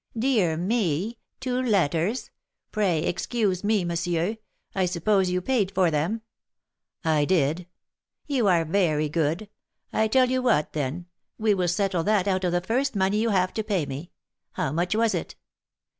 "Dear me! Two letters! Pray excuse me, monsieur. I suppose you paid for them?" "I did." "You are very good. I tell you what, then, we will settle that out of the first money you have to pay me; how much was it?"